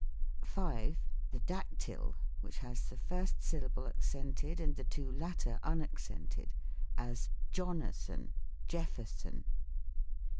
5. The Dactyl, which has the first syllable accented and the two latter unaccented: as, "Jonathan, Jeffer son."